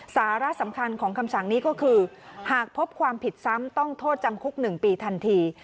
สาระสำคัญของคำสั่งนี้ก็คือหากพบความผิดซ้ำต้องโทษจำคุก๑ปีทันที